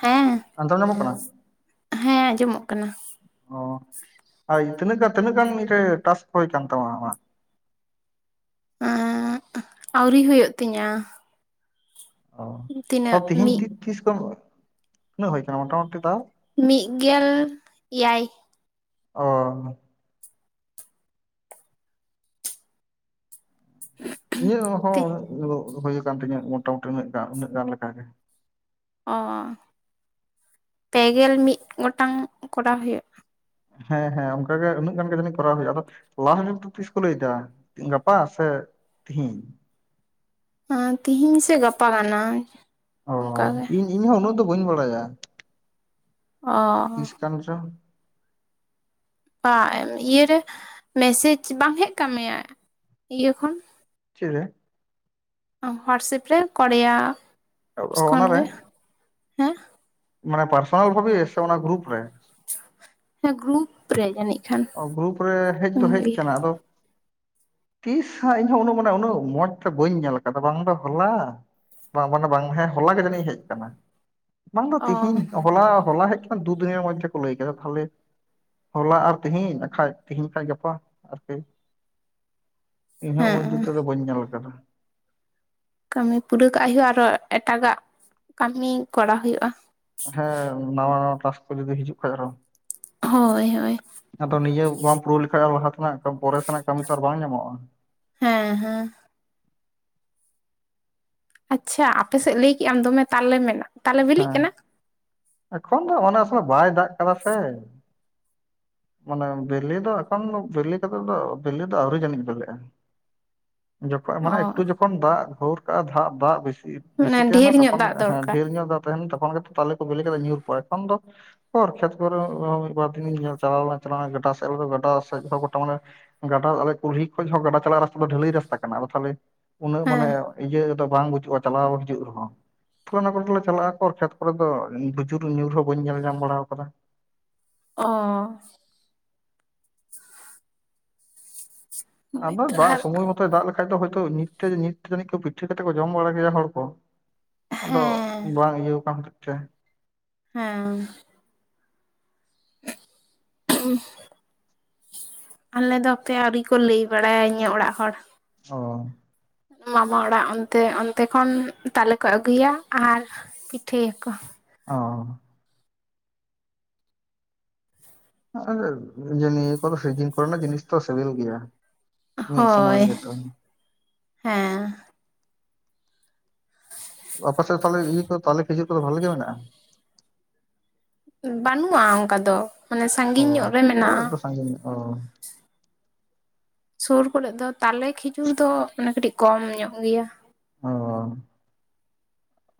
ᱦᱮᱸ ᱟᱱᱫᱚ ᱧᱟᱢᱚᱜ ᱠᱟᱱᱟ ᱦᱮᱸ ᱟᱸᱡᱚᱢᱚᱜ ᱠᱟᱱᱟ ᱚ ᱟᱨ ᱛᱤᱱᱟᱹᱜ ᱜᱟ ᱛᱤᱱᱟᱹᱜ ᱜᱟᱱ ᱤᱱᱠᱟᱹ ᱴᱟᱥᱠ ᱦᱩᱭ ᱠᱟᱱ ᱛᱟᱢᱟ ᱟᱢᱟᱜ ᱟᱣᱨᱤ ᱦᱩᱭᱩᱜ ᱛᱤᱧᱟᱹ ᱚ ᱛᱤᱱᱟᱹᱜ ᱛᱤᱦᱤᱧ ᱢᱤᱫ ᱛᱤ ᱛᱤᱥ ᱠᱷᱚᱱ ᱛᱤᱱᱟᱹᱜ ᱦᱩᱭ ᱠᱟᱱᱟ ᱢᱚᱴᱟ ᱢᱩᱴᱤ ᱛᱟᱣ ᱢᱤᱜ ᱜᱮᱞ ᱮᱭᱟᱭ᱾ ᱚᱻ [unintelligible] ᱤᱧᱟᱹᱜ ᱛᱤ ᱦᱚᱸ [unintelligible] ᱦᱩᱭ ᱟᱠᱟᱱ ᱛᱤᱧᱟᱹ ᱢᱚᱴᱟᱢᱩᱴᱤ ᱩᱱᱟᱹᱜ ᱜᱟᱱ ᱩᱱᱟᱹᱜ ᱜᱟᱱ ᱞᱮᱠᱟᱜᱮ᱾ ᱚᱻ ᱯᱮᱜᱮᱞ ᱢᱤᱫ ᱜᱚᱴᱟᱝ ᱠᱚᱨᱟᱣ ᱦᱩᱭᱩᱜ-ᱟ᱾ ᱦᱮᱸ ᱦᱮᱸ ᱚᱱᱠᱟᱜᱮ ᱩᱱᱟᱹᱜ ᱜᱟᱱ ᱜᱮ ᱡᱟᱱᱤ ᱠᱚᱨᱟᱣ ᱦᱩᱭᱩᱜ-ᱟ᱾ ᱟᱫᱚ ᱞᱟᱥ ᱰᱮᱴ ᱛᱤᱥ ᱠᱚ ᱞᱟᱹᱭᱫᱟ? ᱜᱟᱯᱟ ᱥᱮ ᱛᱤᱦᱤᱧ? ᱟᱻ ᱛᱤᱦᱤᱧ ᱥᱮᱹ ᱜᱟᱯᱟ ᱠᱟᱱᱟ ᱚ ᱚᱱᱠᱟᱜᱮ ᱤᱧ ᱤᱧ ᱦᱚ ᱩᱱᱟᱹᱜ ᱫᱚ ᱵᱟᱹᱧ ᱵᱟᱲᱟᱭᱟ᱾ ᱚᱻ ᱛᱤᱥ ᱠᱟᱱ ᱪᱚ᱾ ᱵᱟ ᱤᱭᱟᱹᱨᱮ ᱢᱮᱥᱮᱡᱽ ᱵᱟᱝ ᱦᱮᱡ ᱠᱟᱜ ᱢᱮᱭᱟ ᱤᱭᱟᱹ ᱠᱷᱚᱱ ᱪᱮᱜ ᱨᱮ? ᱦᱚᱣᱟᱴᱥᱮᱯ ᱨᱮ ᱠᱚᱨᱮᱭᱟ ᱮᱯᱥ ᱚ ᱠᱷᱚᱱ ᱚᱱᱟᱨᱮ ᱜᱮ ᱦᱮᱸ᱾ ᱢᱟᱱᱮ ᱯᱟᱨᱥᱚᱱᱟᱞ ᱵᱷᱟᱵᱮ ᱥᱮ ᱚᱱᱟ ᱜᱨᱩᱯ ᱨᱮ? ᱦᱮᱸ ᱜᱨᱩᱯ ᱨᱮ ᱡᱟᱹᱱᱤᱡ ᱠᱷᱟᱱ᱾ ᱚ ᱜᱨᱩᱯ ᱨᱮ ᱦᱮᱡ ᱫᱚ ᱦᱮᱡ ᱠᱟᱱᱟ ᱟᱫᱚ ᱛᱤᱥ ᱦᱟᱜ ᱤᱧ ᱦᱚ ᱩᱱᱟᱹᱜ ᱢᱟᱱᱮ ᱩᱱᱟᱹᱜ ᱢᱚᱸᱡᱽᱛᱮ ᱵᱟᱹᱧ ᱧᱮᱞ ᱠᱟᱫᱟ ᱵᱟᱝ ᱫᱚ ᱦᱚᱞᱟ᱾ ᱵᱟᱝ ᱢᱟᱱᱮ ᱵᱟᱝ ᱦᱮᱸ ᱦᱚᱞᱟ ᱜᱮ ᱡᱟᱹᱱᱤᱡ ᱦᱮᱡ ᱠᱟᱱᱟ᱾ ᱵᱟᱝ ᱫᱚ ᱚ ᱛᱤᱦᱤᱧ ᱦᱚᱞᱟ ᱦᱚᱞᱟ ᱦᱮᱡ ᱟᱠᱟᱱᱟ ᱫᱩ ᱫᱤᱱ ᱢᱚᱫᱫᱷᱮ ᱠᱚ ᱞᱟᱹᱭ ᱠᱮᱫᱟ ᱛᱟᱦᱚᱞᱮ ᱦᱚᱞᱟ ᱟᱨ ᱛᱤᱦᱤᱧ ᱟᱠᱷᱟᱡ ᱛᱤᱦᱤᱧ ᱠᱷᱟᱡ ᱜᱟᱯᱟ ᱟᱨᱠᱤ ᱤᱧᱦᱚᱸ ᱩᱱ ᱡᱩᱛ ᱦᱮᱸ ᱛᱮᱫᱚ ᱫᱚ ᱵᱟᱹᱧ ᱧᱮᱞ ᱠᱟᱫᱟ ᱠᱟᱹᱢᱤ ᱯᱩᱨᱟᱹᱣ ᱠᱟᱜ ᱦᱩᱭᱩᱜᱼᱟ ᱟᱨᱚ ᱮᱴᱟᱜᱟᱜ ᱠᱟᱹᱢᱤ ᱠᱚᱨᱟ ᱦᱩᱭᱩᱜᱼᱟ ᱦᱮᱸ ᱱᱟᱶᱟ ᱱᱟᱣᱟ ᱴᱟᱥ ᱠᱚ ᱦᱤᱡᱩᱜ ᱠᱷᱟᱱ ᱟᱨᱦᱚᱸ ᱦᱳᱭ ᱦᱳᱭ ᱟᱫᱚ ᱱᱤᱭᱟᱹ ᱵᱟᱢ ᱯᱩᱨᱟᱹᱣ ᱞᱮᱠᱷᱟᱡ ᱞᱟᱦᱟ ᱛᱮᱱᱟᱜ ᱯᱚᱨᱮ ᱥᱮᱱᱟᱜ ᱠᱟᱹᱢᱤ ᱛᱚ ᱟᱨ ᱵᱟᱝ ᱧᱟᱢᱚᱜᱼᱟ ᱦᱮᱸ ᱦᱮᱸ ᱟᱪᱪᱷᱟ ᱟᱯᱮᱥᱮᱫ ᱞᱟᱹᱭ ᱠᱮᱜ ᱟᱢ ᱫᱚᱢᱮ ᱛᱟᱞᱮ ᱢᱮᱱᱟᱜ ᱛᱟᱞᱮ ᱵᱤᱞᱤᱜ ᱚ ᱠᱟᱱᱟ? ᱮᱠᱷᱚᱱ ᱫᱚ ᱚᱱᱟ ᱥᱮ ᱵᱟᱭ ᱫᱟᱜ ᱠᱟᱫᱟ ᱥᱮ ᱢᱟᱱᱮ ᱵᱮᱞᱮ ᱫᱚ ᱮᱠᱷᱚᱱ ᱫᱚ ᱵᱮᱞᱮ ᱠᱟᱛᱮ ᱫᱚ ᱵᱮᱞᱮ ᱫᱚ ᱟᱹᱣᱨᱤ ᱡᱟᱹᱱᱤᱡ ᱵᱮᱞᱮᱜᱼᱟ ᱡᱚᱠᱷᱚᱱ ᱢᱟᱱᱮ ᱚ ᱮᱠᱴᱩ ᱡᱚᱠᱷᱚᱡ ᱫᱟᱜ ᱜᱷᱨ ᱠᱟᱜᱼᱟ ᱫᱟᱜ ᱫᱟᱜ ᱵᱮᱥᱤ ᱚᱱᱟ ᱵᱮᱥᱤ ᱰᱷᱮᱨ ᱛᱟᱦᱮᱱᱟ ᱧᱚᱜ ᱛᱚᱠᱷᱚᱱ ᱫᱟᱜ ᱦᱮᱸ ᱫᱚᱨᱠᱟᱨ ᱰᱷᱮᱨ ᱧᱚᱜ ᱫᱟᱜ ᱛᱟᱦᱮᱱᱟ ᱛᱚᱠᱷᱚᱱ ᱜᱮ ᱛᱚ ᱛᱟᱞᱮ ᱠᱚ ᱵᱮᱞᱤ ᱠᱟᱛᱮ ᱧᱩᱨ ᱠᱚᱜᱼᱟ ᱮᱠᱷᱚᱱ ᱫᱚ ᱦᱚᱨ ᱠᱷᱮᱛ ᱠᱚᱨᱮ ᱦᱚ ᱸ, ᱢᱤᱫ ᱵᱟᱨ ᱫᱤᱱ ᱧᱮᱞ ᱪᱟᱞᱟᱣ ᱞᱮᱱᱟ ᱾ ᱜᱟᱰᱟ ᱥᱮᱫ ᱨᱮᱫᱚ, ᱜᱟᱰᱟ ᱥᱮᱫ ᱨᱮᱫᱚ ᱜᱚᱴᱟ ᱾ ᱢᱟᱱᱮ ᱜᱟᱰᱟ,, ᱟᱞᱮ ᱠᱩᱞᱦᱤ ᱠᱷᱚᱡ ᱦᱚᱸ, ᱜᱟᱰᱟ ᱪᱟᱞᱟᱜ ᱨᱟᱥᱛᱟ ᱫᱚ, ᱰᱷᱟᱹᱞᱟ. ᱭ ᱨᱟᱥᱛᱟ ᱠᱟᱱᱟ ᱾ ᱟᱫᱚ ᱛᱟᱦᱞᱮ ᱩᱱᱟᱹᱜ ᱢᱟᱱᱮ ᱦᱮᱸ ᱤᱭᱟᱹ ᱫᱚ ᱵᱟᱝ ᱵᱩᱡᱩᱜ-ᱟ ᱪᱟᱞᱟᱣ ᱦᱤᱡᱩᱜ ᱨᱮᱦᱚᱸ ᱛᱟᱞᱮ ᱚᱱᱟ ᱠᱚᱨᱮ ᱫᱚᱞᱮ ᱪᱟᱞᱟᱜ-ᱟ᱾ ᱚᱨ ᱠᱷᱮᱛ ᱠᱚᱨᱮ ᱫᱚ, ᱵᱩᱡᱩᱨ ᱧᱩᱨ ᱦᱚᱸ, ᱵᱟᱹᱧ ᱧᱮᱞ ᱧᱟᱢ ᱵᱟᱲᱟ ᱟᱠᱟᱫᱟ? ᱚᱸᱻ ᱟᱫᱚ ᱦᱳᱭᱛᱚ ᱫᱟᱜ ᱟᱨ ᱥᱚᱢᱚᱭ ᱢᱚᱛᱚᱭ, ᱫᱟᱜ ᱞᱮᱠᱷᱟᱡ ᱫᱚ, ᱦᱳᱭ ᱛᱳ ᱱᱤᱛ ᱛᱮ, ᱱᱤᱛ ᱛᱮ ᱡᱟᱹᱱᱤᱡ ᱯᱤᱴᱷᱟᱹ ᱠᱟᱛᱮᱫ ᱠᱚ, ᱡᱚᱢ ᱵᱟᱲᱟ ᱠᱮᱭᱟ ᱦᱚᱲ ᱠᱚ ᱾ ᱟᱫᱚ ᱦᱮᱸ ᱵᱟᱝ ᱤᱭᱟᱹᱣ ᱠᱟᱱᱛᱮᱫ ᱛᱮ᱾ ᱦᱮᱸ ᱩᱸᱦ, ᱟᱞᱮ ᱫᱚ ᱦᱟᱯᱮ! ᱟᱹᱣᱨᱤ ᱠᱚ ᱞᱟᱹᱭ ᱵᱟᱲᱟᱭᱟ ᱤᱧᱟ ᱚᱲᱟᱜ ᱦᱚᱲ ᱾ ᱚᱻ᱾ ᱢᱟᱢᱟ ᱚᱲᱟᱜ ᱚᱱᱛᱮ, ᱚᱱᱛᱮ ᱠᱷᱚᱱ, ᱛᱟᱞᱮ ᱠᱚ ᱟᱹᱜᱩᱭᱟ ᱾ ᱟᱨ ᱯᱤᱴᱷᱟᱹ ᱭᱟᱠᱚ ᱾ ᱚᱻ᱾ ᱟᱨ ᱟᱟ ᱡᱮ [unintelligible] ᱱᱤᱭᱟᱹ ᱠᱚᱫᱚ ᱥᱤᱡᱤᱱ ᱠᱚᱨᱮᱱᱟᱜ ᱡᱤᱱᱤᱥ ᱛᱚ ᱥᱮᱵᱮᱞ ᱜᱮᱭᱟ ᱾ ᱦᱳᱭᱻ, ᱦᱮᱸᱻ ᱾ ᱟᱯᱮ ᱥᱮᱫ ᱫᱚ ᱛᱟᱦᱞᱮ ᱤᱭᱟᱹ ᱠᱚ ᱛᱟᱞᱮ ᱠᱷᱤᱡᱩᱨ ᱠᱚᱫᱚ ᱵᱷᱟᱞᱮ ᱜᱮ ᱢᱮᱱᱟᱜᱼᱟ? ᱵᱟᱱᱩᱜᱼᱟ ᱚᱱᱠᱟ ᱫᱚ ᱢᱟᱱᱮ ᱥᱟᱺᱜᱤᱧ ᱧᱚᱜ ᱨᱮ ᱢᱮᱱᱟᱜᱼᱟ ᱾ ᱟᱡᱚᱢ ᱚ ᱥᱩᱨ ᱠᱚᱨᱮ ᱫᱚ ᱛᱟᱞᱮ ᱠᱷᱤᱡᱩᱨ ᱫᱚ ᱚᱱᱮ ᱠᱟᱹᱴᱤᱡ ᱠᱚᱢ ᱧᱚᱜ ᱜᱮᱭᱟ ᱚ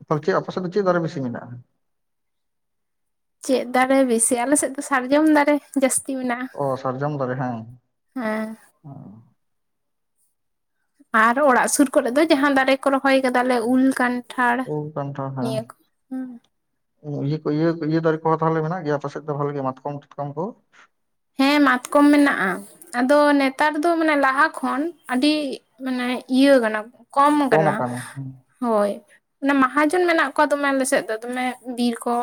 ᱟᱯᱮ ᱪᱮᱜ ᱟᱯᱮᱥᱟᱜ ᱫᱚ ᱪᱮᱫ ᱫᱟᱨᱮ ᱵᱮᱥᱤ ᱢᱮᱱᱟᱜᱼᱟ ᱪᱮᱫ ᱫᱟᱨᱮ ᱵᱮᱥᱤ ᱟᱞᱮᱥᱮᱫ ᱫᱚ ᱥᱟᱨᱡᱚᱢ ᱫᱟᱨᱮ ᱡᱟᱹᱥᱛᱤ ᱢᱮᱱᱟᱜᱼᱟ ᱚ ᱦᱮᱸ ᱚ ᱟᱨ ᱚᱲᱟᱜ ᱥᱩᱨ ᱠᱚᱨᱮ ᱫᱚ ᱡᱟᱦᱟᱸᱱ ᱫᱟᱨᱮ ᱠᱚ ᱨᱚᱦᱚᱭ ᱟᱠᱟᱫᱟᱞᱮ ᱩᱞ ᱠᱟᱱᱴᱷᱟᱲ ᱩᱞ ᱠᱟᱱᱴᱷᱟᱲ ᱦᱮᱸ ᱱᱤᱭᱟᱹ ᱠᱚ ᱤᱭᱟᱹ ᱤᱭᱟᱹ ᱤᱭᱟᱹ ᱫᱟᱨᱮ ᱠᱚᱦᱚᱸ ᱛᱟᱦᱚᱞᱮ ᱢᱮᱱᱟᱜ ᱜᱮᱭᱟ ᱟᱯᱮ ᱥᱮᱫ ᱫᱚ ᱵᱷᱟᱞᱮᱭᱟ ᱢᱟᱛᱠᱚᱢ ᱴᱟᱠᱚᱢ ᱠᱚ ᱦᱮᱸ ᱢᱟᱛᱠᱚᱢ ᱢᱮᱱᱟᱜᱼᱟ ᱟᱫᱚ ᱱᱮᱛᱟᱨ ᱫᱚ ᱢᱟᱱᱮ ᱞᱟᱦᱟ ᱠᱷᱚᱱ ᱟᱹᱰᱤ ᱢᱟᱱᱮ ᱤᱭᱟᱹ ᱠᱟᱱᱟ ᱵᱚᱱ ᱠᱚᱢ ᱠᱟᱱᱟ ᱦᱳᱭ ᱚᱱᱟ ᱢᱟᱦᱟᱡᱚᱱ ᱢᱮᱱᱟᱜ ᱠᱚᱣᱟ ᱫᱚᱢᱮ ᱟᱞᱮ ᱥᱮᱫ ᱫᱚ ᱫᱚᱢᱮ ᱵᱤᱨ ᱠᱚ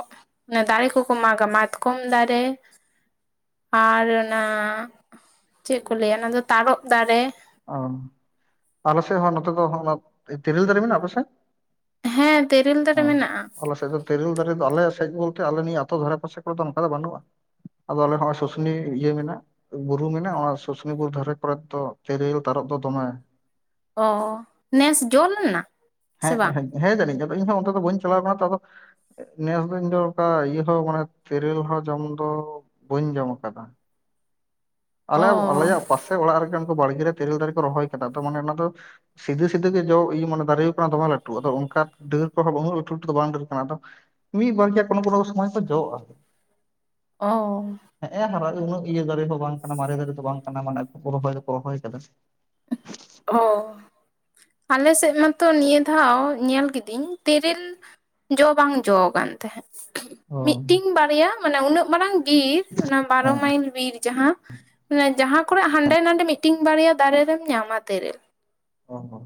ᱚᱱᱮ ᱫᱟᱨᱮ ᱠᱚᱠᱚ ᱢᱟᱜᱟ ᱢᱟᱛᱠᱚᱢ ᱫᱟᱨᱮ ᱟᱨ ᱚᱱᱟ ᱪᱮᱫ ᱠᱚ ᱞᱟᱹᱭᱟ ᱚᱱᱟ ᱫᱚ ᱛᱟᱨᱚᱵ ᱫᱟᱨᱮ ᱚ ᱟᱞᱮ ᱥᱮᱫ ᱦᱚᱸ ᱱᱚᱛᱮ ᱫᱚ ᱛᱮᱤᱨᱞ ᱫᱟᱨᱮ ᱢᱮᱱᱟᱜᱼᱟ ᱟᱯᱮ ᱥᱮᱫ ᱦᱮᱸ ᱛᱮᱨᱮᱞ ᱫᱟᱨᱮ ᱢᱮᱱᱟᱜᱼᱟ ᱟᱞᱮ ᱥᱟᱜ ᱛᱮᱨᱮᱹᱞ ᱫᱟᱨᱮ ᱫᱚ ᱟᱞᱮ ᱥᱮᱫ ᱵᱚᱞᱛᱮ ᱟᱞᱮ ᱱᱤᱭᱟᱹ ᱟᱹᱛᱩ ᱫᱷᱟᱨᱮ ᱯᱟᱥᱮ ᱠᱚᱨᱮ ᱫᱚ ᱚᱱᱠᱟ ᱫᱚ ᱵᱟᱹᱱᱩᱜᱼᱟ ᱟᱫᱚ ᱟᱞᱮ ᱦᱚᱸᱚᱭ ᱥᱩᱥᱩᱱᱤᱭᱟᱹ ᱤᱭᱟᱹ ᱢᱮᱱᱟᱜᱼᱟ ᱵᱩᱨᱩ ᱢᱮᱱᱟᱜᱼᱟ ᱚᱱᱟ ᱥᱩᱥᱩᱱᱤ ᱵᱩᱨᱩ ᱫᱷᱟᱨᱮ ᱠᱚᱨᱮ ᱫᱚ ᱛᱤᱨᱤᱞ ᱛᱟᱨᱚᱵ ᱫᱚ ᱫᱚᱢᱮ ᱚ ᱱᱮᱥ ᱡᱚᱞᱮᱱᱟ ᱥᱮ ᱦᱮᱸ ᱵᱟᱝ ᱦᱮᱸ ᱦᱮᱸ ᱡᱟᱹᱱᱤᱜ ᱟᱫᱚ ᱤᱧᱦᱚᱸ ᱚᱱᱛᱮ ᱫᱚ ᱵᱟᱹᱧ ᱪᱟᱞᱟᱣ ᱟᱠᱟᱱᱟ ᱟᱫᱚ ᱱᱮᱥ ᱫᱚ ᱤᱧ ᱫᱚ ᱤᱭᱟᱹ ᱦᱚᱸ ᱢᱟᱱᱮ ᱛᱤᱨᱤᱞ ᱦᱚᱸ ᱡᱚᱢ ᱫᱚ ᱵᱟᱹᱧ ᱡᱚᱢ ᱟᱠᱟᱫᱟ [inaudible] ᱟᱞᱮ ᱚ ᱟᱞᱮᱭᱟᱜ ᱯᱟᱥᱮ ᱚᱲᱟᱜ ᱨᱮᱜᱮ ᱩᱱᱠᱩ ᱵᱟᱲᱜᱮ ᱛᱮᱨᱮᱞ ᱫᱟᱨᱮ ᱠᱚ ᱨᱚᱦᱚᱭ ᱠᱟᱫᱟ ᱛᱚ ᱢᱟᱱᱮ ᱚᱱᱟ ᱫᱚ ᱥᱤᱫᱟᱹ ᱥᱤᱫᱟᱹ ᱜᱮ ᱡᱚ ᱤᱭᱟᱹ ᱢᱟᱱᱮ ᱫᱟᱨᱮ ᱠᱟᱱᱟ ᱫᱚᱢᱮ ᱞᱟᱹᱴᱩ ᱟᱫᱚ ᱚᱱᱠᱟ ᱰᱟᱹᱨ ᱠᱚᱦᱚᱸ ᱩᱱᱟᱹᱜ ᱞᱟᱹᱴᱩ ᱞᱟᱹᱴᱩ ᱫᱚ ᱵᱟᱝ ᱰᱟᱹᱨ ᱠᱟᱱᱟ ᱟᱫᱚ ᱢᱤᱫ ᱵᱟᱨ ᱜᱮᱭᱟ ᱠᱚᱱᱳ ᱠᱚᱱᱳ ᱥᱚᱢᱚᱭ ᱫᱚ ᱡᱚᱜᱼᱟ ᱟᱨᱠᱤ ᱚ ᱦᱮᱸ ᱦᱟᱨᱟᱜ ᱩᱱᱟᱹᱜ ᱤᱭᱟᱹ ᱫᱟᱨᱮ ᱦᱚᱸ ᱵᱟᱝ ᱠᱟᱱᱟ ᱢᱟᱨᱮ ᱫᱟᱨᱮ ᱫᱚ ᱵᱟᱝ ᱠᱟᱱᱟ ᱢᱟᱱᱮ ᱨᱚᱦᱚᱭ ᱫᱚᱠᱚ ᱨᱚᱦᱚᱭ ᱠᱟᱫᱟ ᱚ ᱟᱞᱮᱥᱮᱫ ᱢᱟᱛᱚ ᱱᱤᱭᱟᱹ ᱫᱷᱟᱣ ᱧᱮᱞ ᱠᱤᱫᱤᱹᱧ ᱛᱤᱨᱤᱞ ᱡᱚ ᱵᱟᱝ ᱡᱚ ᱠᱟᱱ ᱛᱟᱦᱮᱸᱫ ᱚ ᱢᱤᱫᱴᱤᱝ ᱵᱟᱨᱭᱟ ᱢᱟᱱᱮ ᱩᱱᱟᱹᱜ ᱢᱟᱨᱟᱝ ᱵᱤᱨ ᱚᱱᱟ ᱵᱟᱨᱚ ᱦᱮᱸ ᱢᱟᱭᱤᱞ ᱵᱤᱨ ᱡᱟᱦᱟᱸ ᱢᱟᱱᱮ ᱡᱟᱦᱟᱸ ᱠᱚᱨᱮ ᱦᱟᱸᱰᱮ ᱱᱟᱰᱮ ᱢᱤᱫᱴᱤᱱ ᱵᱟᱨᱭᱟ ᱫᱟᱨᱮ ᱨᱮᱢ ᱧᱟᱢᱟ ᱛᱤᱨᱤᱞ ᱚ ᱦᱚᱸ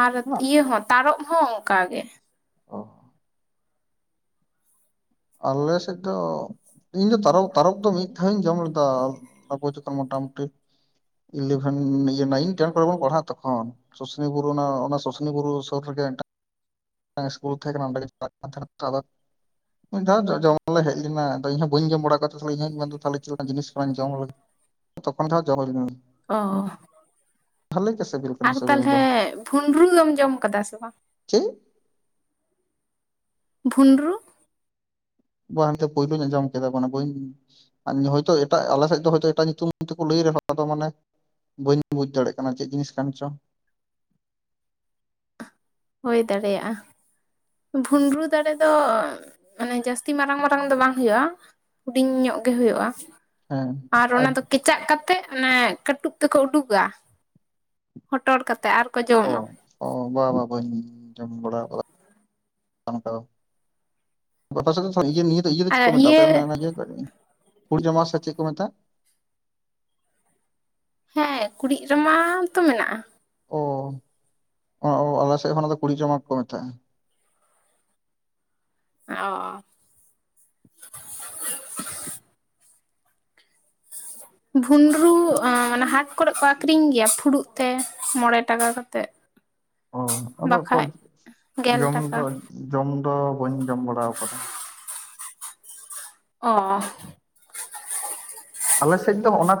ᱟᱨ ᱤᱭᱟᱹ ᱦᱚᱸ ᱛᱟᱨᱚᱵ ᱦᱚᱸ ᱚᱱᱠᱟ ᱜᱮ ᱚ ᱟᱞᱮ ᱥᱮᱫ ᱫᱚ ᱤᱧ ᱫᱚ ᱛᱟᱨᱚᱜ ᱛᱟᱨᱚᱯ ᱫᱚ ᱢᱤᱫ ᱫᱷᱟᱣ ᱤᱧ ᱡᱚᱢ ᱞᱮᱫᱟ ᱟᱵᱚ ᱪᱮᱛᱟᱱ ᱢᱚᱴᱟᱢᱩᱴᱤ ᱤᱞᱮᱵᱷᱮᱱ ᱤᱭᱟᱹ ᱱᱟᱭᱤᱱ ᱴᱮᱱ ᱠᱚᱨᱮ ᱵᱚᱱ ᱯᱟᱲᱦᱟᱜᱼᱟ ᱛᱚᱠᱷᱚᱱ ᱥᱩᱥᱱᱤ ᱵᱩᱨᱩ ᱱᱟ ᱚᱱᱟ ᱥᱩᱥᱱᱤ ᱵᱩᱨᱩ ᱥᱚᱨ ᱨᱮᱜᱮ ᱢᱤᱫᱴᱟᱝ ᱤᱥᱠᱩᱞ ᱛᱟᱦᱮ ᱠᱟᱱᱟ ᱚᱸᱰᱮ ᱜᱮ ᱪᱟᱞᱟᱜ ᱛᱟᱦᱮᱱ ᱠᱟᱱᱟ ᱢᱤᱫ ᱫᱷᱟᱣ ᱠᱚᱜᱡᱚᱢ ᱞᱮ ᱦᱮᱡ ᱞᱮᱱᱟ ᱟᱫᱚ ᱤᱧ ᱦᱚᱸ ᱵᱟᱹᱧ ᱡᱚᱢ ᱵᱟᱲᱟ ᱠᱚᱫᱟ ᱛᱟᱦᱞᱮ ᱤᱧᱦᱚᱧ ᱢᱮᱱ ᱮᱫᱟ ᱛᱟᱦᱞᱮ ᱪᱮᱫᱞᱮᱠᱟᱱ ᱡᱤᱱᱤᱥ ᱠᱟᱱᱟ ᱡᱚᱢᱟ ᱛᱚᱠᱷᱚᱱ ᱦᱟᱜ ᱡᱚᱢ ᱦᱳᱭ ᱞᱮᱱᱟ ᱚ ᱵᱷᱟᱞᱮ ᱜᱮ ᱥᱮᱵᱤᱞ ᱟᱨ ᱛᱟᱞᱦᱮ ᱵᱷᱩᱨᱢᱩᱨᱩ ᱫᱚᱢ ᱡᱚᱢ ᱠᱟᱫᱟ ᱥᱮ ᱵᱟᱝ ᱪᱮ ᱵᱦᱩᱱᱰᱨᱩ ᱵᱟᱝ ᱜᱮ ᱯᱳᱭᱞᱩ ᱟᱡᱚᱢ ᱠᱮᱫᱟ ᱵᱟᱱᱮ ᱵᱟᱹᱧ ᱦᱚᱭᱛᱳ ᱮᱴᱟᱜ ᱟᱞᱮᱥᱮᱫ ᱫᱚᱭ ᱮᱴᱟᱜ ᱧᱩᱛᱩᱢ ᱛᱮᱠᱚ ᱞᱟᱹᱭ ᱨᱮᱦᱚᱸ ᱟᱫᱚ ᱢᱟᱱᱮ ᱼᱼ ᱵᱟᱹᱧ ᱵᱩᱡᱽ ᱫᱟᱲᱮᱜ ᱠᱟᱱᱟ ᱪᱮᱫ ᱡᱤᱱᱤᱥ ᱠᱟᱱ ᱪᱚ? ᱦᱩᱭ ᱫᱟᱲᱮᱭᱟᱜᱼᱟ। ᱵᱷᱩᱱᱨᱩ ᱫᱟᱨᱮ ᱫᱚ ᱢᱟᱱᱮ ᱡᱟᱹᱥᱛᱤ ᱢᱟᱨᱟᱝ ᱢᱟᱨᱟᱝ ᱫᱚ ᱵᱟᱝ ᱦᱩᱭᱩᱜᱼᱟ। ᱦᱩᱰᱤᱧ ᱧᱚᱜ ᱜᱮ ᱦᱩᱭᱩᱜᱼᱟ᱾ ᱟᱨ ᱚᱱᱟ ᱫᱚ ᱠᱮᱼᱼ ᱪᱟᱜ ᱠᱟᱛᱮᱫ ᱚᱱᱮ ᱠᱟᱹᱴᱩᱵ ᱛᱮᱠᱚ ᱩᱰᱩᱠᱟ ᱦᱚᱴᱚᱨ ᱠᱟᱛᱮ ᱟᱨ ᱠᱚ ᱚ ᱡᱚᱢᱟ। ᱚ ᱵᱟ ᱵᱟᱝ ᱵᱟᱹᱧ ᱡᱚᱢ ᱵᱟᱲᱟ ᱟᱠᱟᱫᱟ ᱚᱱᱠᱟ ᱫᱚ। ᱟᱯᱮ ᱥᱮᱫ ᱫᱚ ᱤᱭᱟᱹ ᱱᱤᱭᱟᱹ ᱫᱚ ᱤᱭᱟᱹ ᱫᱚ ᱪᱮᱫ ᱠᱚ ᱢᱮᱛᱟᱜᱼᱟ ᱥᱮ [unintelligible] ᱚᱱᱟ [unintelligible] ᱤᱭᱟᱹ ᱯᱷᱩᱲ [unintelligible] ᱡᱚᱢᱟ ᱥᱮᱫ ᱪᱮᱫ ᱠᱚ ᱢᱮᱛᱟᱜᱼᱟ? ᱦᱮᱸ ᱠᱩᱲᱤᱫ ᱨᱟᱢᱟ ᱛᱚ ᱢᱮᱱᱟᱜᱼᱟ। ᱚ, ᱚ ᱚ ᱟᱞᱮ ᱥᱮᱫ ᱦᱚᱸ ᱚᱱᱟ ᱫᱚ ᱠᱩᱲᱤᱫ ᱨᱟᱢᱟ ᱜᱮᱠᱚ ᱢᱮᱛᱟᱜᱼᱟ। ᱚᱻ ᱵᱷᱩᱸᱰᱨᱩ ᱚᱸᱱᱮ ᱦᱟᱴ ᱠᱚᱨᱮᱫ ᱠᱚ ᱟᱠᱷᱨᱤᱧ ᱜᱮᱭᱟ ᱯᱷᱩᱲᱩᱜ ᱛᱮ ᱢᱚᱬᱮ ᱴᱟᱠᱟ ᱠᱟᱛᱮᱫ। [inaudible] ᱚ ᱟᱫᱚ ᱜᱮᱞ ᱡᱚᱢ ᱴᱟᱠᱟ ᱫᱚ ᱡᱚᱢ ᱫᱚ ᱵᱟᱹᱧ ᱡᱚᱢ ᱵᱟᱲᱟᱣ ᱠᱟᱫᱟ। ᱚᱻ ᱟᱞᱮ ᱥᱮᱫ ᱫᱚ ᱚᱱᱟ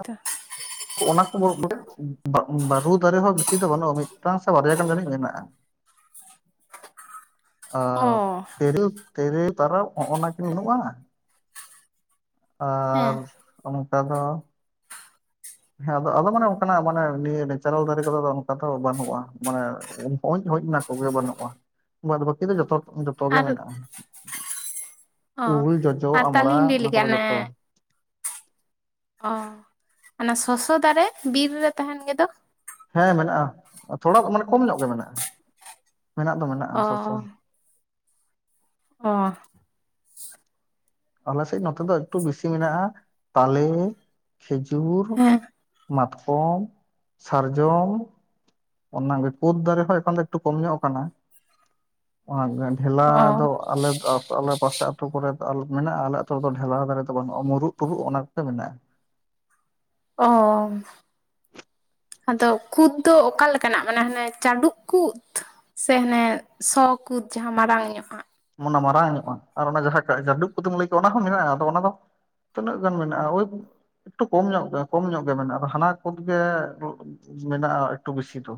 ᱚᱱᱟ ᱠᱷᱚᱵᱚᱨ [unintelligible] ᱵᱚᱞᱮ ᱼᱼ [unintelligible] ᱵᱟᱹᱨᱩ ᱫᱟᱨᱮ ᱦᱚᱸ ᱵᱮᱥᱤ ᱫᱚ ᱵᱟᱹᱱᱩᱜᱼᱟ ᱢᱤᱫᱴᱟᱝ ᱥᱮ ᱵᱟᱨᱭᱟ ᱜᱟᱱ ᱡᱟᱹᱱᱤᱡ ᱢᱮᱱᱟᱜᱼᱟ। [unintelligible] ᱟᱨ ᱛᱮᱨᱮᱞ ᱛᱮᱨᱮᱞ ᱛᱟᱨᱟᱵᱽ ᱦᱚᱜ ᱱᱟ ᱠᱤᱱ ᱵᱟᱹᱱᱩᱜᱼᱟ। ᱟᱨ ᱦᱮᱸ ᱚᱝᱠᱟ ᱫᱚ ᱦᱮᱸ ᱟᱫᱚ ᱟᱫᱚ ᱢᱟᱱᱮ ᱚᱝᱠᱟᱱᱟᱜ ᱢᱟᱱᱮ ᱱᱤᱭᱟᱹ ᱱᱮᱪᱟᱨᱮᱞ ᱫᱟᱨᱮ ᱠᱚᱫᱚ ᱚᱱᱠᱟ ᱫᱚ ᱵᱟᱹᱱᱩᱜᱼᱟ᱾ ᱢᱟᱱᱮ ᱼᱼ ᱦᱳᱡ ᱦᱳᱡ ᱚᱱᱟ ᱠᱚᱜᱮ ᱵᱟᱹᱱᱩᱜᱼᱟ ᱵᱟᱫ ᱵᱟᱹᱠᱤ ᱫᱚ ᱡᱚᱛᱚ ᱡᱚᱛᱚᱜᱮ ᱟᱨ ᱢᱮᱱᱟᱜᱼᱟ। ᱚ ᱩᱞ, ᱡᱚᱡᱚ, ᱟᱨ ᱟᱢᱲᱟ ᱛᱟᱞᱤᱧ ᱞᱟᱹᱭ ᱚᱱᱟ ᱞᱮᱜᱮ ᱠᱚᱫᱚ ᱚᱱᱮ ᱡᱷᱚᱛᱚ। ᱚ ᱚᱱᱟ ᱥᱚᱥᱚ ᱫᱟᱨᱮ ᱵᱤᱨ ᱨᱮ ᱛᱟᱦᱮᱱ ᱜᱮᱫᱚ? ᱦᱮᱸ ᱢᱮᱱᱟᱜᱼᱟ ᱛᱷᱚᱲᱟ ᱢᱟᱱᱮ ᱠᱚᱢ ᱧᱚᱜ ᱜᱮ ᱢᱮᱱᱟᱜᱼᱟ ᱢᱮᱱᱟᱜ ᱫᱚ ᱢᱮᱱᱟᱜᱼᱟ ᱚ ᱥᱚᱥᱚ। ᱚ ᱟᱞᱮᱥᱮᱡ ᱱᱚᱛᱮ ᱫᱚ ᱮᱠᱴᱩ ᱵᱮᱥᱤ ᱢᱮᱱᱟᱜᱼᱟ ᱛᱟᱞᱮ᱾ ᱠᱷᱮᱡᱩᱨ, ᱦᱮᱸ ᱢᱟᱛᱠᱚᱢ, ᱥᱟᱨᱡᱚᱢ। ᱚᱱᱟ ᱜᱮ ᱠᱩᱫ ᱫᱟᱨᱮ ᱦᱚᱸ ᱮᱠᱷᱚᱱ ᱮᱠᱴᱩ ᱠᱚᱢ ᱧᱚᱜ ᱠᱟᱱᱟ। ᱰᱷᱮᱞᱟ ᱫᱚ ᱚ ᱟᱞᱮ ᱟᱞᱮ ᱯᱟᱥᱮ ᱼᱼ ᱟᱹᱛᱩ ᱠᱚᱨᱮ ᱫᱚ ᱟᱞ ᱢᱮᱱᱟᱜᱼᱟ ᱟᱞᱮ ᱟᱹᱛᱩ ᱨᱮᱫᱚ ᱰᱷᱮᱞᱟᱣ ᱫᱟᱨᱮ ᱫᱚ ᱵᱟᱹᱱᱩᱜᱼᱟ ᱢᱩᱨᱩᱫ ᱛᱩᱨᱩᱜ ᱚᱱᱟ ᱠᱚᱜᱮ ᱢᱮᱱᱟᱜᱼᱟ। ᱚ ᱦᱚ ᱟᱫᱚ ᱠᱩᱫ ᱫᱚ ᱚᱠᱟ ᱞᱮᱠᱟᱱᱟᱜ ᱢᱟᱱᱮ ᱦᱟᱱᱮ ᱪᱟᱰᱩᱜ ᱠᱩᱫᱽ। ᱥᱮ ᱦᱟᱱᱮ ᱥᱚ ᱠᱩᱫ ᱡᱟᱦᱟᱸ ᱢᱟᱲᱟᱝ ᱧᱚᱜ ᱟ। ᱚᱱᱟ ᱢᱟᱨᱟᱝ ᱧᱚᱜᱼᱟ ᱟᱨ ᱚᱱᱟ ᱡᱟᱦᱟᱸ ᱡᱟᱰᱩᱵ ᱠᱩᱫᱮᱢ ᱞᱟᱹᱭ ᱠᱮᱫ ᱚᱱᱟ ᱦᱚᱸ ᱢᱮᱱᱟᱜᱼᱟ ᱟᱫᱚ ᱚᱱᱟ ᱫᱚ ᱼᱼ ᱛᱤᱱᱟᱹᱜ ᱜᱟᱱ ᱢᱮᱱᱟᱜᱼᱟ ᱳᱭ ᱼᱼ ᱮᱠᱴᱩ ᱠᱚᱢ ᱧᱚᱜ ᱜᱮ ᱠᱚᱢ ᱧᱚᱜ ᱜᱮ ᱢᱮᱱᱟᱜᱼᱟ ᱟᱫᱚ ᱦᱟᱱᱟ ᱠᱩᱫ ᱜᱮ ᱢᱮᱱᱟᱜᱼᱟ ᱮᱠᱴᱩ ᱵᱮᱥᱤ ᱫᱚ।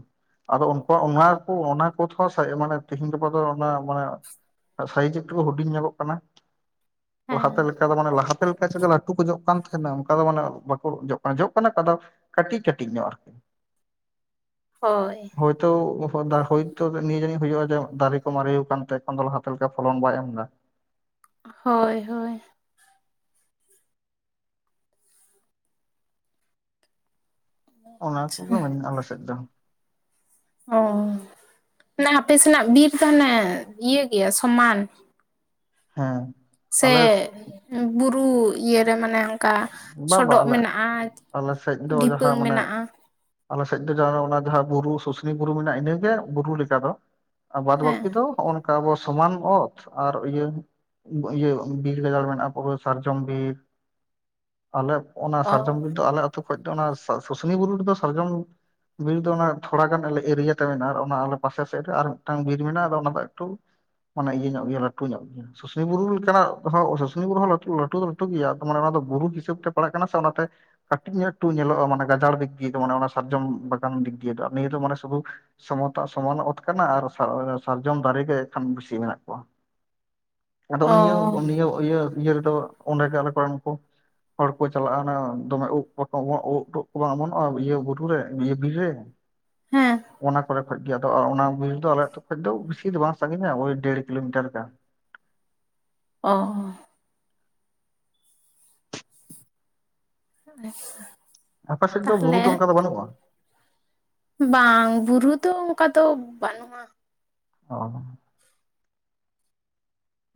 ᱟᱫᱚ ᱩᱱᱠᱩ ᱚᱱᱟ ᱠᱚ ᱚᱱᱟ ᱠᱩᱫᱽ ᱦᱚᱸ ᱢᱟᱱᱮ ᱛᱤᱦᱤᱧ ᱜᱟᱯᱟ ᱫᱚ ᱚᱱᱟ ᱢᱟᱱᱮ ᱼᱼ ᱥᱟᱭᱤᱡᱽ ᱮᱠᱴᱩ ᱦᱩᱰᱤᱧ ᱧᱚᱜᱚᱜ ᱠᱟᱱᱟ ᱦᱮᱸ ᱞᱟᱦᱟᱛᱮ ᱞᱮᱼᱼ ᱟᱫᱚ ᱢᱟᱱᱮ ᱞᱟᱦᱟᱛᱮ ᱞᱮᱠᱟ ᱪᱮᱫ ᱞᱟᱹᱴᱩ ᱠᱚ ᱡᱚᱜ ᱠᱟᱱ ᱛᱟᱦᱮᱱᱟ ᱚᱱᱠᱟ ᱫᱚ ᱢᱟᱱᱮ ᱵᱟᱠᱚ ᱡᱚᱜ ᱠᱟᱱᱟ ᱡᱚᱜ ᱠᱟᱱᱟ ᱚᱠᱟ ᱫᱚ ᱼᱼ ᱠᱟᱹᱴᱤᱡ ᱠᱟᱹᱴᱤᱡ ᱧᱚᱜ ᱟᱨᱠᱤ ᱦᱳᱭ ᱦᱳᱭᱛᱚ ᱦᱳᱭᱛᱚ ᱱᱤᱭᱟᱹ ᱡᱟᱹᱱᱤᱡ ᱦᱳᱭᱳᱜᱼᱟ ᱡᱮ ᱫᱟᱨᱮ ᱠᱚ ᱢᱟᱨᱮ ᱟᱠᱟᱱᱛᱮ ᱮᱠᱷᱚᱱ ᱫᱚ ᱞᱦᱟᱛ ᱛᱮ ᱞᱮᱠᱟ ᱯᱷᱚᱞᱚᱱ ᱵᱟᱭ ᱮᱢ ᱮᱫᱟ। ᱦᱳᱭ ᱦᱳᱭ ᱚᱱᱟ ᱠᱚᱜᱮ ᱢᱮᱱᱟᱜᱼᱟ ᱟᱞᱮ ᱥᱮᱡ ᱫᱚ। ᱚ ᱢᱟᱱᱮ ᱦᱟᱯᱮ ᱥᱮᱱᱟᱜ ᱵᱤᱨ ᱫᱚ ᱟᱱᱮ ᱤᱭᱟᱹ ᱜᱮᱭᱟ ᱥᱚᱢᱟᱱ। ᱦᱮᱸ ᱥᱮ ᱟᱞᱮ ᱵᱩᱨᱩ ᱤᱭᱟᱹ ᱨᱮ ᱢᱟᱱᱮ ᱼᱼ ᱠᱟ ᱵᱟ ᱵᱟ ᱥᱚᱰᱚᱜ ᱟᱞᱮ ᱢᱮᱱᱟᱜᱼᱟ ᱟᱞᱮ ᱥᱮᱫ ᱫᱚ ᱡᱟᱦᱟᱸ ᱫᱷᱤᱯᱟᱹᱝ ᱢᱟᱱᱮ ᱢᱮᱱᱟᱜᱼᱟ। ᱟᱞᱮ ᱥᱮᱡ ᱫᱚ ᱚᱱᱟ ᱡᱟᱦᱟᱸ ᱵᱩᱨᱩ ᱥᱩᱥᱱᱤ ᱵᱩᱨᱩ ᱢᱮᱱᱟᱜᱼᱟ ᱤᱱᱟᱹᱜᱮ ᱵᱩᱨᱩ ᱞᱮᱠᱟ ᱫᱚ ᱟ ᱵᱟᱫᱽ ᱦᱮᱸ ᱵᱟᱹᱠᱤ ᱫᱚ ᱱᱚᱜᱼ ᱚ ᱱᱚᱝᱠᱟ ᱟᱵᱚ ᱥᱚᱢᱟᱱ ᱚᱛ ᱟᱨ ᱤᱭᱟᱹ ᱤᱭᱟᱹ ᱵᱤᱨ ᱜᱟᱡᱟᱲ ᱢᱮᱱᱟᱜᱼᱟ ᱯᱩᱨᱟᱹ ᱥᱟᱨᱡᱚᱢ ᱵᱤᱨ ᱟᱞᱮ ᱚᱱᱟ ᱚ ᱥᱟᱨᱡᱚᱢ ᱵᱤᱨ ᱫᱚ ᱟᱞᱮ ᱟᱹᱛᱩ ᱠᱷᱚᱡ ᱫᱚ ᱚᱱᱟ ᱥᱩᱥᱩᱱᱤ ᱵᱩᱨᱩ ᱨᱮᱫᱚ ᱥᱟᱨᱡᱚᱢ ᱵᱤᱨ ᱫᱚ ᱚᱱᱟ ᱛᱷᱚᱲᱟ ᱜᱟᱱ ᱟᱞᱮ ᱮᱨᱤᱭᱟ ᱛᱮ ᱢᱮᱱᱟᱜᱼᱟ ᱚᱱᱟ ᱟᱞᱮ ᱯᱟᱥᱮ ᱥᱮᱫ ᱨᱮ ᱟᱨ ᱢᱤᱴᱟᱝ ᱵᱤᱨ ᱢᱮᱱᱟᱜᱼᱟ ᱟᱫᱚ ᱚᱱᱟ ᱫᱚ ᱮᱠᱴᱩ ᱢᱟᱱᱮ ᱤᱭᱟᱹ ᱧᱚᱜ ᱜᱮᱭᱟ ᱞᱟᱹᱴᱩ ᱧᱚᱜ ᱜᱮᱭᱟ ᱥᱩᱥᱩᱱᱤ ᱵᱩᱨᱩ ᱞᱮᱠᱟᱱᱟᱜ ᱦᱚᱸ ᱥᱩᱥᱱᱤ ᱵᱩᱨᱩ ᱦᱚᱸ ᱞᱟᱹᱴᱩ ᱫᱚ ᱞᱟᱹᱴᱩ ᱜᱮᱭᱟ ᱢᱟᱱᱮ ᱚᱱᱟ ᱫᱚ ᱵᱩᱨᱩ ᱦᱤᱥᱟᱹᱵ ᱛᱮ ᱯᱟᱲᱟᱜ ᱠᱟᱱᱟ ᱥᱮ ᱚᱱᱟᱛᱮ ᱠᱟᱹᱴᱤᱡ ᱧᱚᱜ ᱮᱠᱴᱩ ᱧᱮᱞᱚᱜᱼᱟ ᱢᱟᱱᱮ ᱜᱟᱡᱟᱲ ᱫᱤᱠ ᱫᱤᱭᱮ ᱫᱚ ᱢᱟᱱᱮ ᱚᱱᱟ ᱥᱟᱨᱡᱚᱢ ᱵᱟᱜᱟᱱ ᱫᱤᱠ ᱫᱤᱭᱮ ᱫᱚ ᱟᱨ ᱱᱤᱭᱟᱹ ᱫᱚ ᱢᱟᱱᱮ ᱥᱩᱫᱩ ᱥᱚᱢᱚᱛᱟ ᱥᱚᱢᱟᱱ ᱚᱛ ᱠᱟᱱᱟ ᱟᱨ ᱥᱟᱨᱡᱚᱢ ᱫᱟᱨᱮᱜ ᱜᱮ ᱮᱠᱷᱟᱱ ᱵᱮᱥᱤ ᱢᱮᱱᱟᱜ ᱠᱚᱣᱟ [inaudible] ᱟᱫᱚ ᱱᱤᱭᱟᱹ ᱱᱤᱭᱟᱹ ᱤᱭᱟᱹ ᱤᱭᱟᱹ ᱨᱮᱫᱚ ᱚᱸᱰᱮ ᱜᱮ ᱟᱞᱮ ᱠᱚᱨᱮᱱ ᱠᱚ ᱦᱚᱲ ᱠᱚ ᱪᱟᱞᱟᱜᱼᱟ ᱱᱟᱜ ᱫᱚᱢᱮ ᱩᱫ ᱯᱚᱴᱚᱢᱚᱜ ᱩᱫ ᱴᱩᱫ ᱠᱚ ᱵᱟᱝ ᱚᱢᱚᱱᱚᱜᱼᱟ ᱤᱭᱟᱹ ᱵᱩᱨᱩ ᱨᱮ ᱤᱭᱟᱹ ᱵᱤᱨ ᱨᱮ ᱦᱮᱸ ᱚᱱᱟ ᱠᱚᱨᱮ ᱠᱷᱚᱡ ᱜᱮ ᱟᱫᱚ ᱚᱱᱟ ᱵᱤᱨ ᱫᱚ ᱟᱞᱮ ᱟᱛᱳ ᱠᱷᱚᱡ ᱫᱚ ᱵᱤᱥᱤ ᱫᱚ ᱵᱟᱝ ᱥᱟᱺᱜᱤᱧᱟ ᱳᱭ ᱰᱮᱲ ᱠᱤᱞᱳᱢᱤᱴᱟᱨ ᱞᱮᱠᱟ ᱚ [unintelligible] ᱟᱯᱟᱥᱮᱫ ᱫᱚ ᱵᱩᱨᱩ ᱫᱚ ᱛᱟᱦᱞᱮ ᱚᱱᱠᱟ ᱫᱚ ᱵᱟᱹᱱᱩᱜᱼᱟ ᱵᱟᱝ ᱵᱩᱨᱩ ᱫᱚ ᱚᱱᱠᱟ ᱫᱚ ᱵᱟᱹᱱᱩᱜᱼᱟ‍᱾ ᱚ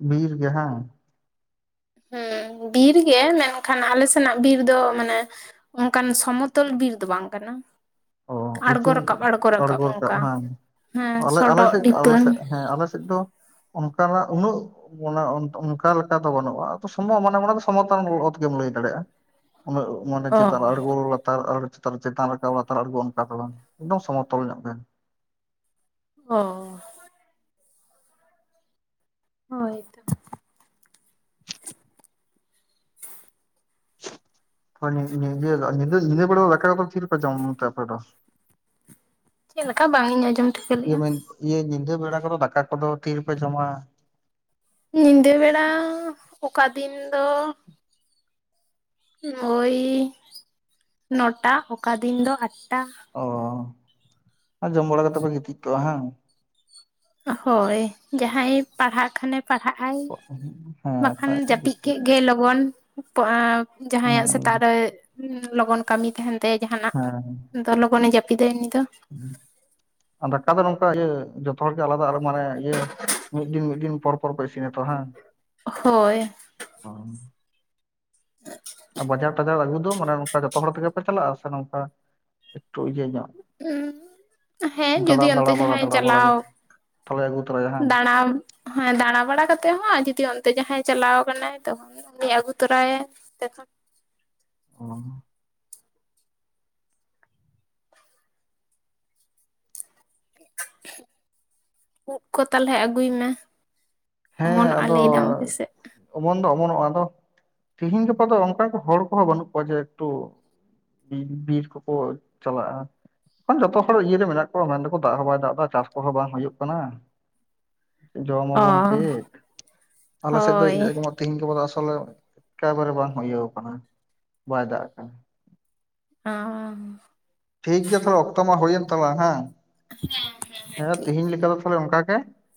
ᱵᱤᱨ ᱜᱮ ᱦᱟᱸᱝ ᱦᱮᱸ ᱵᱤᱨ ᱜᱮ ᱢᱮᱱᱠᱷᱟᱱ ᱟᱞᱮ ᱥᱮᱱᱟᱜ ᱵᱤᱨ ᱫᱚ ᱢᱟᱱᱮ ᱚᱱᱠᱟᱱ ᱥᱚᱢᱚᱛᱚᱞ ᱵᱤᱨ ᱫᱚ ᱵᱟᱝ ᱠᱟᱱᱟ᱾ ᱚ ᱩᱪᱩ ᱟᱬᱜᱚ ᱨᱟᱠᱟᱵ ᱟᱬᱜᱚ ᱟᱲᱜᱚ ᱨᱟᱠᱟᱵ ᱚᱱᱠᱟ ᱵᱟᱝ ᱦᱮᱸ ᱟᱞᱮ ᱟᱞᱮ ᱥᱚᱰᱚᱜ ᱥᱮᱫ ᱰᱷᱤᱯᱟᱹᱝ ᱟᱞᱮᱥᱮᱫ ᱦᱮᱸ ᱟᱞᱮᱥᱮᱫ ᱫᱚ ᱚᱱᱠᱟᱱᱟᱜ ᱩᱱᱟᱹᱜ ᱚᱱᱟ ᱚᱱᱠᱟ ᱞᱮᱠᱟ ᱫᱚ ᱵᱟᱹᱱᱩᱜᱼᱟ ᱟᱫᱚ ᱥᱚᱢᱚ ᱢᱟᱱᱮ ᱢᱟᱱᱮ ᱥᱚᱢᱚᱛᱚᱱ ᱚᱛ ᱜᱮᱢ ᱞᱟᱹᱭ ᱫᱟᱲᱮᱭᱟᱜᱼᱟ᱾ ᱚᱱᱟᱹᱜ [unintelligible] ᱢᱟᱱᱮ ᱚ ᱪᱮᱛᱟᱱ ᱟᱬᱜᱚ ᱞᱟᱛᱟᱨ ᱟᱬᱜᱚ ᱪᱮᱛᱟᱱ ᱨᱟᱠᱟᱵᱞᱟᱛᱟᱨ ᱟᱰᱜᱚ ᱚᱱᱠᱟ ᱫᱚ ᱵᱟᱝ ᱮᱠᱫᱚᱢ ᱥᱚᱢᱚᱛᱚᱞ ᱧᱚᱜ ᱜᱮ᱾ ᱚ ᱦᱳᱭ ᱛᱚ ᱦᱳᱭ ᱧᱤᱫᱟᱹ ᱵᱮᱲᱟ ᱫᱚ ᱫᱟᱠᱟ ᱠᱚᱫᱚ ᱠᱚᱫᱚ ᱛᱤ ᱨᱮᱯᱮ ᱡᱚᱢ ᱛᱮ ᱟᱯᱮ ᱫᱚ? ᱪᱮᱫ ᱞᱮᱠᱟ ᱵᱟᱝ ᱤᱧ ᱟᱡᱚᱸᱢ? ᱤᱭᱟᱹ ᱢᱮᱱ ᱤᱭᱟᱹ ᱧᱤᱫᱟᱹ ᱵᱮᱲᱟ ᱠᱚᱫᱚ ᱫᱟᱠᱟ ᱠᱚᱫᱚ ᱛᱤ ᱨᱮᱯᱮ ᱡᱚᱢᱟ? ᱧᱤᱫᱟᱹ ᱵᱮᱲᱟ ᱚᱠᱟ ᱫᱤᱱ ᱫᱚ ᱳᱭ ᱱᱚᱴᱟ ᱚᱠᱟ ᱫᱤᱱ ᱫᱚ ᱟᱴᱴᱟ᱾ ᱚ ᱡᱚᱢ ᱵᱟᱲᱟ ᱠᱟᱛᱮ ᱯᱮ ᱜᱤᱛᱤᱡ ᱠᱚᱜᱼᱟ᱾ ᱦᱟᱝ ᱦᱳᱭ ᱡᱟᱦᱟᱸᱭ ᱯᱟᱲᱦᱟᱜ ᱠᱷᱟᱱᱮ ᱯᱟᱲᱦᱟᱜᱼᱟᱭ ᱦᱮᱸ ᱵᱟᱠᱷᱟᱱ ᱵᱟᱠᱷᱟᱡ ᱡᱟᱹᱯᱤᱫ ᱜᱤᱛᱤᱡ ᱠᱮᱫ ᱜᱮ ᱞᱚᱜᱚᱱ᱾ ᱡᱟᱦᱟᱸᱭᱟᱜ ᱦᱮᱸ ᱥᱮᱛᱟᱜ ᱨᱮ ᱞᱚᱜᱚᱱ ᱠᱟᱹᱢᱤ ᱛᱟᱦᱮᱱ ᱛᱟᱭᱟ ᱡᱟᱦᱟᱱᱟᱜ᱾ ᱛᱚ ᱞᱚᱜᱚᱱᱮ ᱡᱟᱹᱯᱤᱫᱟᱭ ᱩᱱᱤ ᱫᱚ᱾ ᱫᱟᱠᱟ ᱫᱚ ᱱᱚᱝᱠᱟ ᱤᱭᱟᱹ ᱡᱚᱛᱚ ᱦᱚᱲᱜᱮ ᱟᱞᱟᱫᱟ ᱢᱟᱱᱮ ᱤᱭᱟᱹ ᱢᱤᱫ ᱫᱤᱱ ᱢᱤᱫ ᱫᱤᱱ ᱯᱚᱨ ᱯᱚᱨ ᱯᱮ ᱤᱥᱤᱱᱟᱛᱚ ᱦᱮᱸ ᱦᱟᱝ? ᱦᱳᱭ [unintelligible] [unintelligible] ᱵᱟᱡᱟᱨ ᱴᱟᱡᱟᱨ ᱟᱹᱜᱩ ᱫᱚ ᱢᱟᱱᱮ ᱱᱚᱝᱠᱟ ᱡᱚᱛᱚ ᱦᱚᱲ ᱛᱮᱜᱮ ᱯᱮ ᱪᱟᱞᱟᱜᱼᱟ᱾ ᱥᱮ ᱱᱚᱝᱠᱟ ᱮᱠᱴᱩ ᱤᱭᱟᱹ ᱧᱚᱜ ᱩ ᱦᱮᱸ ᱫᱟᱬᱟ ᱡᱩᱫᱤ ᱚᱱᱛᱮ ᱫᱟᱬᱟ ᱵᱟᱲᱟ ᱡᱟᱦᱟᱸᱭ ᱫᱟᱬᱟ ᱵᱟᱲᱟ ᱪᱟᱞᱟᱣ ᱛᱟᱦᱚᱞᱮ ᱟᱹᱜᱩ ᱛᱚᱨᱟᱭᱟ ᱦᱟᱝ? ᱫᱟᱬᱟᱢ ᱦᱮᱸ ᱫᱟᱬᱟ ᱵᱟᱲᱟ ᱠᱟᱛᱮᱜ ᱦᱚᱸ ᱟᱨ ᱡᱩᱚᱫᱤ ᱚᱱᱛᱮ ᱡᱟᱦᱟᱸᱭ ᱪᱟᱞᱟᱣ ᱟᱠᱟᱱᱟᱭ ᱛᱚ ᱩᱱᱤ ᱟᱹᱜᱩ ᱛᱚᱨᱟᱭᱟᱭ ᱚᱱᱛᱮ ᱠᱷᱚᱱ᱾ ᱚ ᱩᱫ [unintelligible] ᱠᱚ ᱛᱟᱞᱦᱮ ᱟᱹᱜᱩᱭ ᱢᱮ᱾ ᱦᱮᱸ ᱚᱢᱚᱱᱚᱜᱼᱟ ᱟᱫᱚ ᱞᱟᱹᱭ ᱫᱟᱢ ᱟᱯᱮᱥᱮᱫ ᱚᱢᱚᱱ ᱫᱚ ᱚᱢᱚᱱ ᱚᱜᱼᱟ ᱟᱫᱚ ᱛᱤᱦᱤᱧ ᱜᱟᱯᱟ ᱫᱚ ᱚᱱᱠᱟ ᱦᱚᱲ ᱠᱚᱦᱚᱸ ᱵᱟᱹᱱᱩᱜ ᱠᱚᱣᱟ᱾ ᱡᱮ ᱮᱠᱴᱩ ᱵᱤᱨ ᱠᱚ ᱠᱚ ᱪᱟᱞᱟᱜᱼᱟ ᱡᱷᱚᱛᱚ ᱦᱚᱲ ᱤᱭᱟᱹ ᱨᱮ ᱢᱮᱱᱟᱜ ᱠᱚᱣᱟ ᱢᱮᱱ ᱫᱟᱠᱚ ᱫᱟᱜ ᱦᱚᱸ ᱵᱟᱭ ᱫᱟᱜ ᱮᱫᱟ ᱪᱟᱥ ᱠᱚ ᱦᱚᱸ ᱵᱟᱝ ᱦᱳᱭᱳᱜ ᱠᱟᱱᱟ᱾ ᱡᱚᱢ ᱚ ᱟᱵᱚᱱ ᱪᱮᱫ ᱟᱞᱮ ᱥᱮᱫ ᱫᱚ ᱦᱳᱭ ᱛᱮᱦᱮᱧ ᱜᱟᱯᱟ ᱫᱚ ᱟᱥᱚ ᱞᱮ ᱮᱠ ᱵᱟᱨᱮ ᱵᱟᱝ ᱤᱭᱟᱹ ᱟᱠᱟᱱᱟ ᱵᱟᱭ ᱫᱟᱜ ᱟᱠᱟᱜᱼᱟ᱾ ᱚᱻ ᱴᱷᱤᱠ ᱜᱮᱭᱟ ᱛᱟᱦᱞᱮ ᱚᱠᱛᱚ ᱢᱟ ᱦᱩᱭᱮᱱ ᱛᱟᱞᱟᱝ ᱦᱮᱸ ᱦᱮᱸ ᱴᱷᱤᱠ ᱛᱮᱦᱮᱧ ᱞᱮᱠᱟ ᱫᱚ ᱛᱟᱦᱞᱮ ᱚᱱᱠᱟ ᱜᱮ᱾